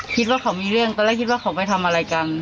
คิดว่าเขามีเรื่องตอนแรกคิดว่าเขาไปทำอะไรกัน